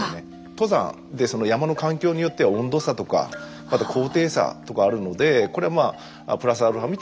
登山で山の環境によっては温度差とかあと高低差とかあるのでこれまあプラスアルファ見て５，０００キロカロリーですね。